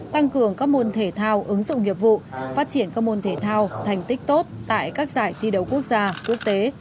tăng cường các môn thể thao ứng dụng nghiệp vụ phát triển các môn thể thao thành tích tốt tại các giải thi đấu quốc gia quốc tế